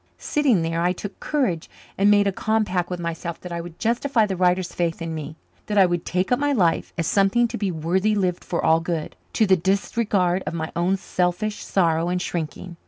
Sitting there, I took courage and made a compact with myself that I would justify the writer's faith in me that I would take up my life as something to be worthily lived for all good, to the disregard of my own selfish sorrow and shrinking.